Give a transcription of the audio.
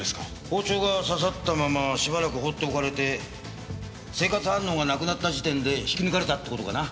包丁が刺さったまましばらく放っておかれて生活反応がなくなった時点で引き抜かれたって事かな。